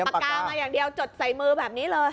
ปากกามาอย่างเดียวจดใส่มือแบบนี้เลย